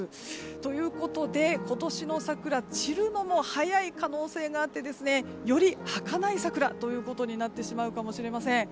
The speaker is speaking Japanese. ということで今年の桜散るのも早い可能性があってより、はかない桜となってしまうかもしれません。